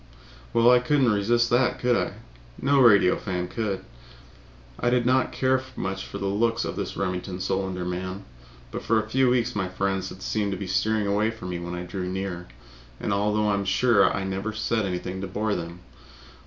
Well, I couldn't resist that, could I? No radio fan could. I did not care much for the looks of this Remington Solander man, but for a few weeks my friends had seemed to be steering away from me when I drew near, although I am sure I never said anything to bore them.